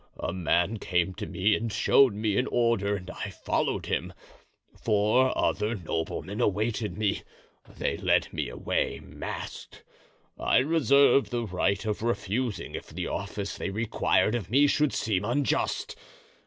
A man came to me and showed me an order and I followed him. Four other noblemen awaited me. They led me away masked. I reserved the right of refusing if the office they required of me should seem unjust.